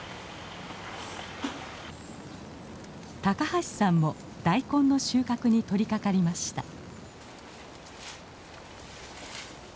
高橋さんも大根の収穫に取りかかりました。